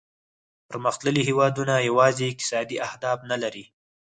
پرمختللي هیوادونه یوازې اقتصادي اهداف نه لري